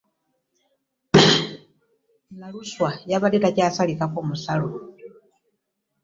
Naluswa yabadde takyasalikako musale.